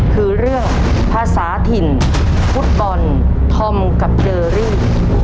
คือเรื่องภาษาถิ่นฟุตบอลธอมกับเจอรี่